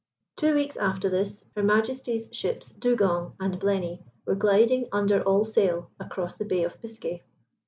Two weeks after this, her Majesty's ships Dugong and Blenny were gliding under all sail across the Bay of Biscay.